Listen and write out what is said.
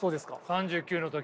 ３９の時。